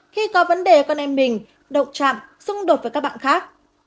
khi có vấn đề con em mình động trạm xung đột với các bạn khác